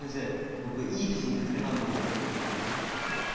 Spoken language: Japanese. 僕いい記事見つけたんですよ。